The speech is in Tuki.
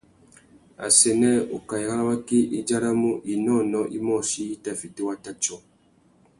Assênē ukaï râ waki i djaramú « inônōh imôchï i tà fiti wata tiô ».